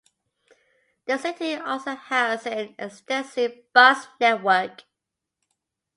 The city also has an extensive bus network.